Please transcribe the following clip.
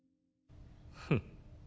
フッ。